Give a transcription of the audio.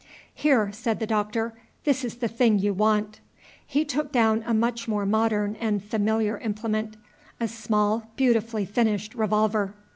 "Here," said the Doctor, "this is the thing you want." He took down a much more modern and familiar implement, a small, beautifully finished revolver.